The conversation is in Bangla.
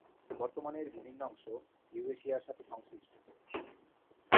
বর্তমানে এর বিভিন্ন অংশ ইউরেশিয়ার সাথে সংশ্লিষ্ট।